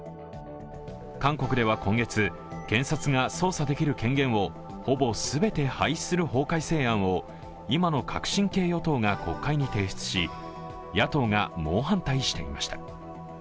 韓国では今月、検察が捜査できる権限をほぼ全て廃止する法改正案を今の革新系与党が国会に提出し野党が猛反対していました。